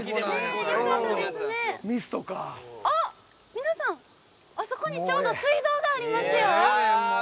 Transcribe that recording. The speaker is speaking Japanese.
皆さん、あそこにちょうど水道がありますよ。